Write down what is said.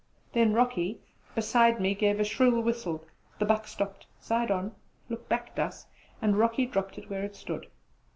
Then Rocky, beside me, gave a shrill whistle; the buck stopped, side on, looked back at us, and Rocky dropped it where it stood.